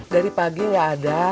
dari pagi gak ada